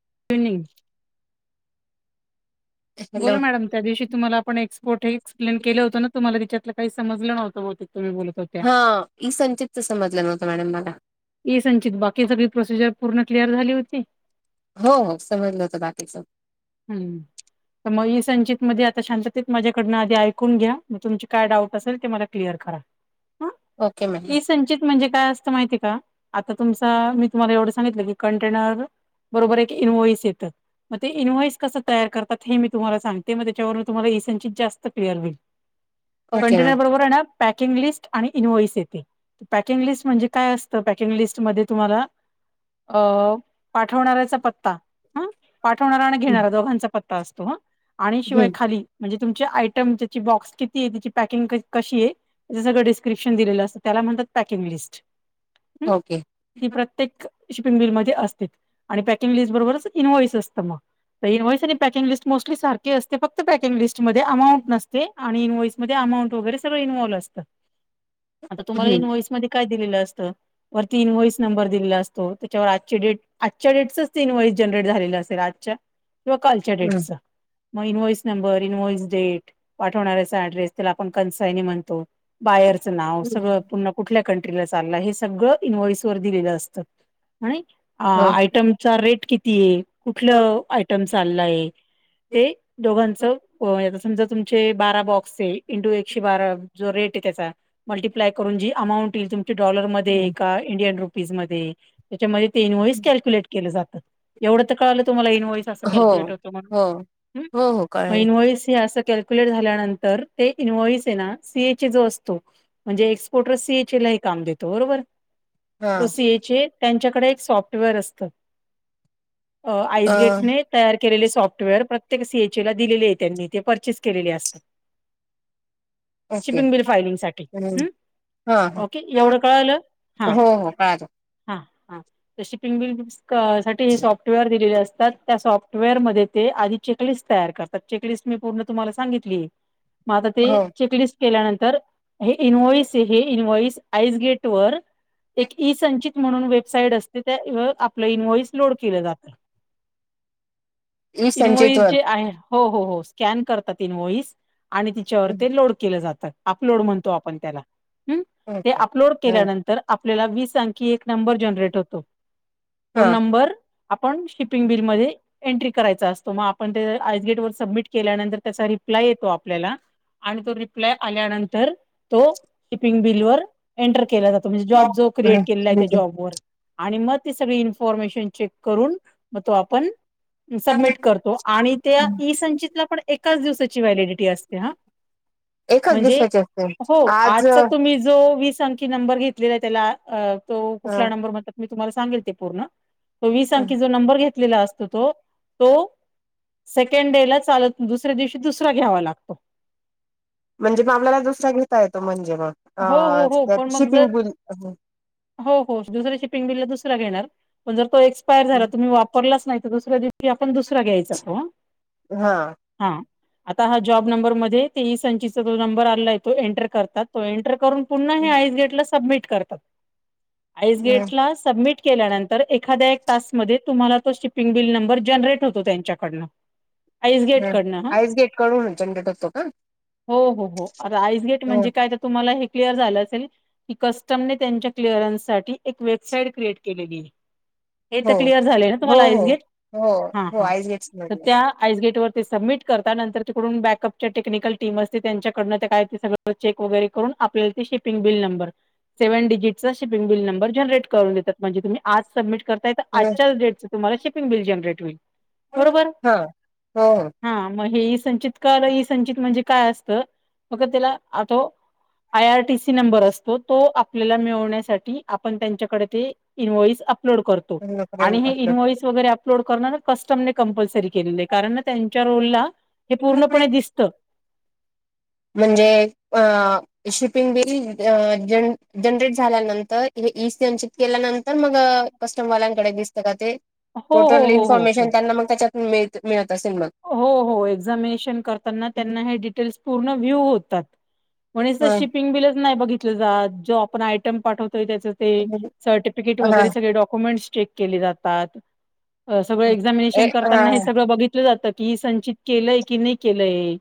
[unintelligible] Hello बोला madam त्या दिवशी तुमलाण एक्सपोर्ट हे एक्सप्लेन केलं होत ना तुम्हालािच्या काही समज नवतं ब ते हा इ संचितच समजलं नव्हतं मॅडम मला ये संचित बाकी सगळी प्रोसिजर पूर्ण क्लिअर झाली होती हो हो समजलं होत बाकीच हम्म तर मग ई संचित मध्ये आता शांततेत माझ्याकडनं आधी ऐकून घ्या मग तुमची काय डाट असेल ते मला क्लिअर करा ह ओके मॅडम इ संंचित म्हणजे काय असतं माहिती का आता तुमच मी तुम्हाला एवढं सांगितलं की कंटेनर बरोबर एक इन्वोइस येतं मग ते इन्व्हॉइस कस तयार करतात हे मी तुम्हाला सांगते मग त्याच्यावर मी तुम्हाला इसनचीित जास्त क्लिअर होईल ओके कंटेनर मॅडम बरोबर आहे ना पॅकिंग लिस्ट आणि इन्व्हॉइस येते पॅकिंग लिस्ट म्हणजे काय असत तर पॅकिंग लिस्टमध्ये तुम्हाला पाठवणारचा पत्ता ह पाठवणारा आणि हं घेणार दोघांचा पत्ता असतो आणि शिवाय हं खाली म्हणजे तुमचे आयटम, त्याची बॉक्स किती आहे, त्याची पॅकिंग कशी आहे त्या सगळ डिस्क्रिप्शन दिलेलं असतं. त्याला पण पॅकिंग लिस्ट. ओके ही प्रत्येक शिपिंग बिल मध्ये असते आणि पॅकिंग लिस्ट बरोबरच इनवॉइस असतं मग तर इंवाईस आणि पॅकिंग लिस्ट मोस्टली सारखी असते फक्त पॅकिंग लिस्ट मध्ये अमाऊंट नसते. आणि इन्व्हइसमध्येध्ये अमाऊंट वगैरे सगळं इन्वॉल्व असतं. आता तुम्हाला हं इनवॉइस मध्ये काय दिलेलं असतं वरती इनव्हॉइस नंबर दिलेला असतो त्याच्यावर आज डेट आजच्या डेटसच ते इनव्हॉइस जनरेट झाले असेल किवा कालच्या हं डेट मग इन्व्हइस नंबर इनव्हॉइस डेट पाठवणा्याचा ऍड्रेस त्याला आपण कनसायनी म्हणतो बाय व सळ कुठल्या कंट्रीला चाल हे सगळं इ्वइस व दिलेलं असतं आणि आयटमचा रेट किती आहे हो कुठलं आयटम चाललाय ते दोघां समजा तुम बारा बॉक्स इंू एकशे बारा जो रेट त्याचाप अपलाय करून जी अमाऊंटईल तम डॉरमध्ये इि रु त्या कु जात एवढं तर काळलं तुम्हाला इनव्हॉइस असं हो कॅल्क्युलेट होतं हो म्हणून हो हो मग कळेल इनव्हॉइस ही अस क झाल्यानंतर इन्वई सना सीए जो असतो म्हणजे एक्सपोर्टर सीए ला काम देतो बरोबर. हा सीए त्यांच्याकडे एक सॉफ्टवेअर असत. अ अ आईसगेटने तयार केलेले सॉफ्टवेअर प्रत्येक सीएचए ला दिलेले आहे त्यांनी ते परचेस केलेले असत. ओके शिपिंग बिल फायलिंग साठी. हं हा ओके हा कळलं हा हो हो कळालं हा. ह शीपिंग साठी हे सॉफ्टवेअर दिलेले असतात त्या सॉफ्टवेअर म ते आधी चेकलिस्ट तयार करतात चेकलिस्ट मी पूर्ण तुम्हाला सांगितली. मग आता ते हो चेकलिस्ट केल्यानंतर हे इनव्हॉइस हे इनव्हॉइस आईस गेट पर- एक ई संंचित म्हणून वेबसाईट असते त्या आपलं इन्व्हॉइस लोड केलं जातं. ई संचित इन्व्हाईस वर जे, हो हो स्कॅन करतात इन्व्हाईस. आणि तिच्यावर ते लोड केलं जातं अपलोड म्हणतो आपण त्याला. ह् ते का. अपलोड हा केल्यानंतर आपल्याला वीस अंकी एक नंबर जनरेट होतो. तो हा. नंबर आपण शिपिंग बिल म एन्ट्री करायचा असतो. मग आपण ते आइस गेट वर सबमिट केल्या नंतर त्याचा रिप्लाय येतो आपल्याला. आणि तो रिप्लाय आल्यानंतर तो शिपिंग बिल वर एंटर केला जातो म्हणजे जॉब जो क्रिएट केला आहे त्या जॉब वर आणि मग ते सगळी इन्फॉर्मेशन चेक करून मग तो आपण सबमिट करतो आणि त्या ई संंचितला पण एकाच दिवसाची व्हॅलिडिटी असते हा. एकच म्हणजे दिवसाची असते हो आज आजचा अ तुम्ही जो वीस की नंबर घेतलेला त्याला तो कुठला नंबर म्हणतात मी तुम्हाला सांगेल ते पूर्ण. तो वीस अंकी जो नंबर घेतलेला असतो तो तो सेकंड डे ला चालत दुसऱ्या दिवशी दुसरा घ्यावा लागतो. म्हणजे मग आपल्याला दुसरा घेता येतो म्हणजे. हो हो हो पण मग जर शिपिंग बिल [unintelligible] हो दुसऱ्या शिपिंग बिल ला दुसरा घेणार. पण तो जर एक्सपायर झाला तुम्ही वापरला च नाही दुसऱ्या दिवशी आपण दुसरा घ्यायचा. हा. हा आता हा जॉब नंबर मध्ये ते ई संचितचा जो नंबर आला आहे, तो एंटर करतात तो एंटर करून. पुन्हा हे आइसगेट सबमिट कर पण आय एस बी एट ला सबमिट केल्यानंतर ए एखाद्या एक तासमध्ये तुम्हाला तो शिपिंग बिल नंबर जनरेट होतो त्यांच्याकडन. ह आइसगेट कडून जनरेट होतो का? हो हो हो आता आईस गेट हो म्हणजे काय तुम्हाला हे क्लअर झाल असेल की कस्टमने त्यांच्या क्लिअरनसाठी वेबसाईट क्रिएट केलेली आहे हे तर हो क्लिअर झाले ना हो तुम्हाला हो आईसगेट हो ह हो हा आईस गेट्स तर, मधन त्या आईसगेट वर ते सबमिट करता नंतर, तिकडून बॅकअप टेक्निकल टीम असते, त्यांच्याकडनं ते काय ते सगंळ चेक वगैरे. आपल्या shipping bill number. Seven digit shipping bill number generate करून देतात, म्हणजे तुम्ही आज सबमिट. करताय आजच्या डेटचं तुमला शिपिंग बिल जनरेट होईल. बरोबर. हा हो हो हा मग हे. संचित का आल ई संचित म्हणजे, काय असतं बघ त्याला तो आय आरटीसी नंबर असतो, तो आपल्याला मिळवण्यासाठी आपण त्यांच्याकडे. ते इन्व्हाईज अपलोड करतो आणि हे आपलं इन्व्हाईज वगैरे अपलोड करणार ना कस्टम न कपल्सरी केलेल कारण त्यांच्या रोल ला हे पूर्ण पणे दिसत. म्हणजे शपिंग बिल जनरेट झाल्यानंतर इ संचित केल्यानंतर मग कस्टमवाल्यांकडे दिसत का ते हो हो टोटल हो हो हो इन्फॉर्मेशन त्यांना मग त्याच्यातुन मिळ मिळत असेल मग. हो हो एक्झामिनेशन करताना त्यांना हे डिटेल्स पूर्ण व्ह्यू होतात. कोणी जर हा शिपिंग बिलच नाही बघितलं जात जो आपण आयटम पाठवत. तरी त्याचे ते सर्टिफिकेट हा वगैर सगळे डॉक्युमेंट्स चेक केले जातात. सगळं ए एक्झामिनेशन हा करताना हे सगळं बघितलं जातं की संचित केलंय की नाही केलंय.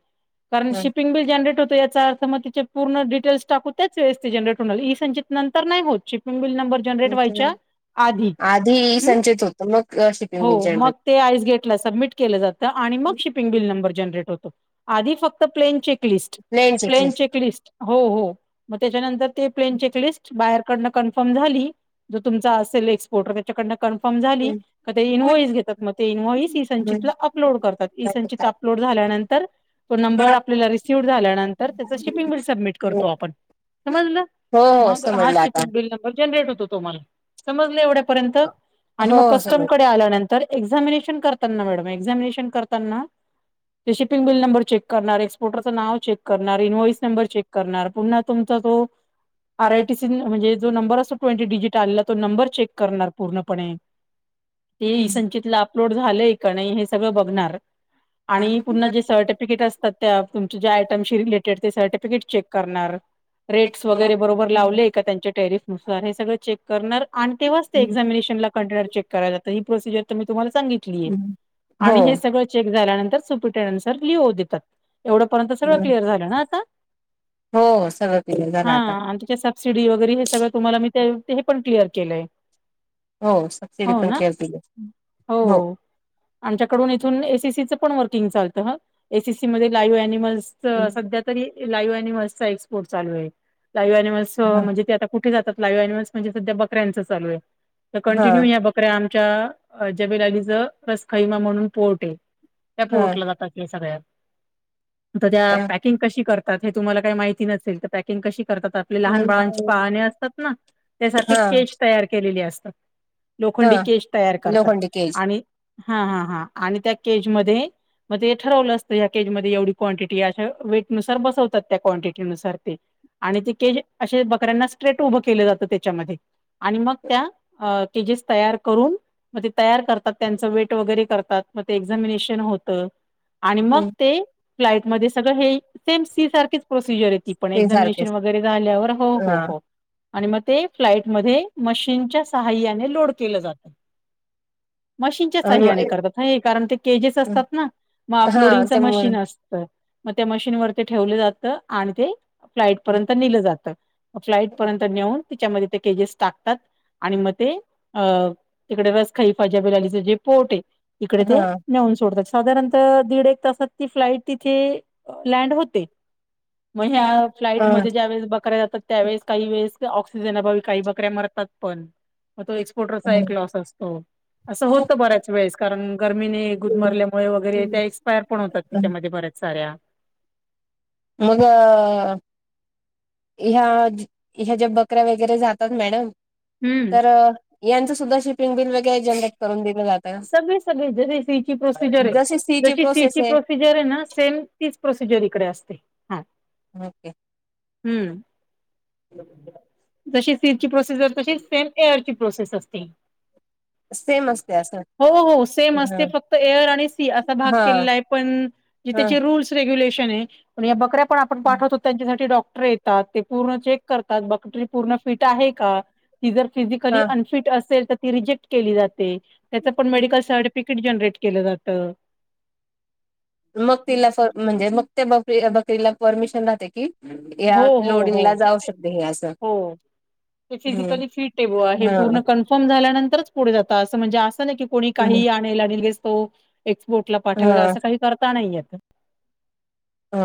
कारण शिपिंग बि जनरेट होत याचा अर्थ मग तिचे पूर्ण डिटेल्स टाकु त्याच व्यवस्थित जनरेट होणार इसंचित नंतर नाही होत श गुगल नंबर जनरेट व्हायचा. आधी आधी संचेत होत मग हो शिपिंग जनरल मग ते आईस गेटला सबमिट केलं जातं. आणि मग शिपिंग बिल नंबर जनरेट होतो आधी फक्त प्लेन चेक लिस्ट प्लेन शिकले. प्लेनचेक लिस्ट हो हो मग त्याच्यानंतर ते प्लेन चेकलिस्ट बाहेरकडनं कन्फर्म झाली जो तुमचा असेल एक्सपोर्टर त्यांच्याकडून कन्फर्म झाली की ते इन्व्हाईस घेतात मंग ते इसंचितला अपलोड अपलोड करतात ई संचित अपलोड झाल्यानंतर तो नंबर आपल्याला रिसिव झाल्यानंतर त्याच शिपिंग बिल सबमिट हो करतो आपण समजलं. हो मग हा समजलं आता शिपिंग बिल नंबर जनरेट होतो. समजलं एवढंपर्यंत हो आणि मग हो कस्टम समजलं. कडे आल्यानंतर एक्झामिनेशन करताना मॅडम एक्झामिनेशन करताना ते शिपिंग बिल नंबर चेक करणारे एकस्पोर्टरचं नाव चेक करणार इन्वस नंबर चेक करणार पुन्हा तुमचा तो आर आयटीसी म्हणजे जो नंबर असो ट्वेंटी डिजिट आलेला तो नंबर चेक करणार. पूर्णपणे ते इसंचितला अपलोड झालंय का नाही हे सगळं बघणार. [inaudible] आणि पुन्हा जे सर्टिफिकेट असतात त्या तुमच्या ज्या आयटमशी रिलेटेड ते सर्टिफिकेट चेक करणार. रेट्स वगैरे बरोबर लावलेय का त्यांच्या टेरिफ नुसार हे सगळं चेक करणार आणि तेव्हाचते एक्झामिनेशनला कंटेनर चेक करायला जातं ही प्रोसिजर तर मी तुम्हाला सांगितली आहे हो आणि हे सगळं चेक झाल्यानंतर सुपीटेड अन्सर लिओ देतात एवढंपर्यंत सगळं हो क्लिअर झालं ना आता हो सगळं क्लियर झालं आता सीडी वगैरे हे सगळं तुम्हाला मी पण क्लिअर केलंय हो सबसिडी हो पण ना? के दि हो आमच्याकडून इथून एसीसीचं पण वर्किंग चालत हा एसीसी मध्ये लाईव्ह अनिमल् सध्या तरी लाईव्ह ॲनिमल चा एक्सपोर्ट चालू आहे लाईव्ह अनिमल्स हो. म्हणजे ते आ ते कुठे जात लाईव्ह अनिमल्स म्हणजे सध्या बकऱ्यांच चालू आहे तर हा कंटिन्यूया बकऱ्या आमच्या जबेलालीच रसखैमा म्हणून पोर्ट आहे त्या हा पोटला जातात ते सगळ्या. तर त्या हा पॅकिंग कशी करतात हे तुम्हाला काही माहिती नसेल तर पॅकिंग कशी करतात आपले लहान बाळांची असतात ना त्यासारखी केच तयार केलेली असतात. हा लोखंडी केज तयार करतात लोखंडी केज आणि हा, हा, हा आणि त्या केजमध्ये मग ते ठरवलं असत या केजमध्ये एवढी क्वांटिटी अशा वेटनुसार बसवतात त्या क्वांटिटी नुसार ते. आणि ते केश असे बकऱ्यांना स्ट्रेट उभं केलं जातं त्याच्यामध्ये. आणि मग त्या केजेस तयार करून मग ते तयार करतात त्यांच वेट वगैरे एक्झामिनेशन होत आणि मग हम्म. ते फ्लाईटमध्ये सगळं हे सेम सी सारखीच प्रोसिजर आहे ती पण ते एक्झामिनेशन सारखेच वगैरे झाल्यावर हो हा हो हो आणि मग ते फ्लाइट मध्ये मशीनच्या सहाय्याने लोड केलं जातं मशी स हा नाही ते करतात कारण ते केजेस असतात ना मग हा अपलोडिंगच हा मशीन असतं मग त्या मशीनवर ते ठेवलं जात आणि ते फ्लाईट पर्यंत नेलं जातं फ्लाइट पर्यंत नेऊन त्याच्यामध्ये ते केजेस टाकतात आणि मग ते तिकडे रस खाई फजाबि पोर्ट आहे इकडे ते नेऊन सोडतात साधारणत दीड एक तास फ्लाईट तिथे लँड होते मग ह्या फ्लाटमध्ये ज्या वेळेस बकऱ्या जातात त्यावेळेस काही वेळेस ऑस सीजन अभावी काही बकऱ्या मरतात पण तो एस्पॉटरचा एक लॉस असतो अस बऱ्याच वेळेस कारण गरमीने गुदमरल्यामुळे वगैरे त्या एक्सपायर पण होतात त्याच्यामध्ये बऱ्याच साऱ्या मग ह्या ह्या ज्या बकऱ्या वगैरे जातात मॅडम हम्म तर यांचं सुद्धा शिपिंग बिल वगैरे जनरेट करून दिल तुम्ही? सगळे, सगळे जशी इसिची प्रोसिजर आहे. जसे सी ची जशी प्रोसेस सिची आहे प्रोसिजर आहे ना सेम तीच प्रोसिजर इकडे असते हा. ओके हम्म जशी सीटची प्रोसिजर तशी सेम एअर प्रोसेस अस असते. सेम असते. असं हो, हो हा सेमते फक्त एर आणि सी असा भाग हा केलेला आहे पण हा त्याचे रूल्स [inaudible] पण या बकऱ्या पण आपण पाठवतो त्यांच्यासाठी डॉक्ट टर येतात ते पूर्ण चेक करतात बकरी पूर्ण फिट आहे का? ती जर फिजिकली हा अनफिट असेल तर ती रिजेक्ट केली जाते. त्याच पण मेडिकल सर्टिफिकेट जनरेट केलं जात. मग तिला म्हणजे मग ते बकरी बकरीला परमिशन राहते की हि हो यात हो लोडिंग हो ला जाऊ शकते ह्यात. हो ती फिजिकली फिट आहे पूर्ण हा कन्फर्म झाल्यानंतरच पुढे जात असं म्हणजे असं नाही की कोणी काही आणेल आणि लगेच तो. एक्सपोटला पाठवला हा असं काही करता नाहीयेत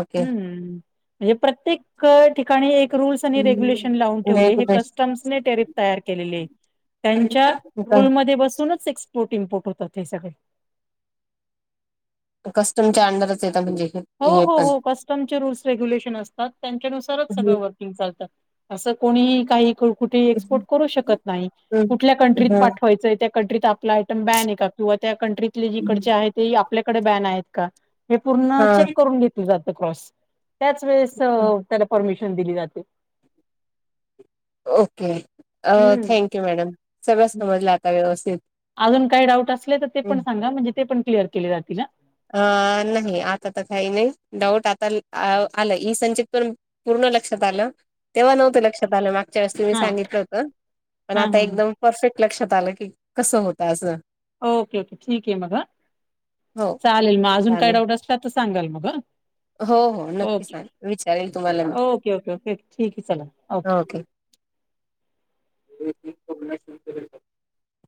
ओके म्हणजे प्रत्येक ठिकाणी एक रूल्स आणि रेगुलेशन लावुन लय ठेवले हे गुड आहे कस्टम्स ने ट्रॅरेट तयार केलेले. त्यांच्या रूलमध्ये बसूनच पोटीन पोट होतात हे सगळे. कस्टमच्या अंडरच येत म्हणजे. हो, हे हो, पण हो कस्टमचे रूल्स रेग्युलेशन असतात त्यांच्यानुसारच सगळं वर्किंग चालतात. असं कोणी काही कुठे एक्सपोर्ट करू शकत नाही कुठल्या कंट्रीत ह पाठवायचंय त्या कंट्रीत आपला आयटम बॅन आहे का किंवा त्या कंट्रीतले जीकडचे आहे ते आपल्याकडे बॅन आहेत का. हे पूर्ण हा चेक जातो क्रॉस त्याच वेळेस त्याला परमिशन दिली जाते. ओके हम्म थँक्यू मॅडम सगळ्या समजला आता व्यवस्थित. अजून काय डाऊट असले तर ते पण सांगा म्हणजे ते पण क्लिअर केले जातील हा. अ नाही आता तर काही नाही डाऊट आता आलं इ संचित पण पूर्ण.. लक्षात आलं. तेव्हा नव्हतं लक्षात आलं मागच्या वेळे मी हा सांगितलं होत पण हा आता हा हा. एकदम परफेक्ट... लक्षात आलं की कसं होतं असं. ओके ओके ठीक आहे मग हं, चाल हो चालेल म अजून काय चालेल डाऊट असला तर सांगाल मग. हो हो नक्की ओके, सांग विचारेल तुम्हाला मी ओके, ओके, ओकेओ ठीक आहे चला ओके. ततत [inaudible] णणण [inaudible]